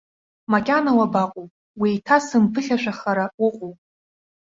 Макьана уабаҟоу, уеиҭасымԥыхьашәахара уҟоуп!